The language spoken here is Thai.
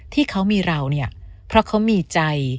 ที่เขามีเราเนี่ยเพราะเขามีใจ